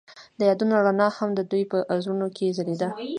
د یادونه رڼا هم د دوی په زړونو کې ځلېده.